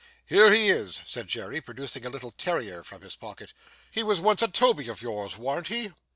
'Here he is,' said Jerry, producing a little terrier from his pocket. 'He was once a Toby of yours, warn't he!